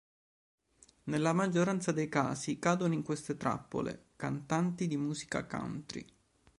Nella maggioranza dei casi cadono in queste trappole cantanti di musica country.